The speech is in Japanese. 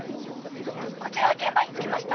こちら現場に着きました。